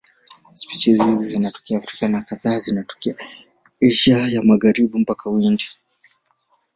Spishi hizi zinatokea Afrika na kadhaa zinatokea Asia ya Magharibi mpaka Uhindi.